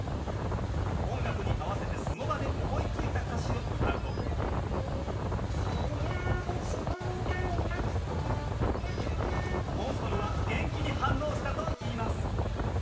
音楽に合わせてその場で思いついた歌詞を歌うと「水曜日司令官が来て」モンストロは元気に反応したといいます。